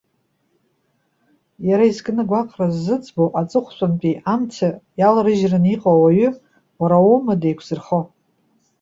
Иара изкны агәаҟра ззыӡбоу, аҵыхәтәангьы амца иаларыжьраны иҟоу ауаҩы, уара уоума деиқәзырхо?